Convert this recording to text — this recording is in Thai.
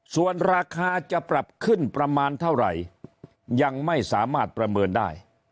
ส่วนราคาจะปรับขึ้นประมาณเท่าไหร่ยังไม่สามารถประเมินได้